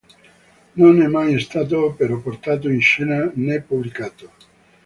Non è mai stato però portato in scena né pubblicato.